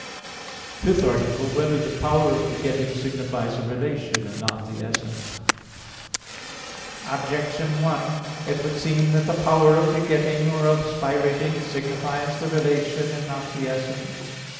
_______________________ FIFTH ARTICLE [I, Q. 41, Art. 5] Whether the Power of Begetting Signifies a Relation, and Not the Essence? Objection 1: It would seem that the power of begetting, or of spirating, signifies the relation and not the essence.